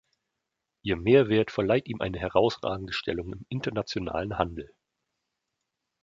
Ihr Mehrwert verleiht ihm eine herausragende Stellung im internationalen Handel.